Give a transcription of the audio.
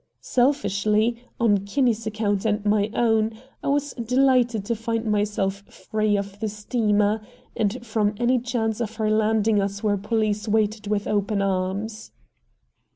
Selfishly, on Kinney's account and my own, I was delighted to find myself free of the steamer, and from any chance of her landing us where police waited with open arms.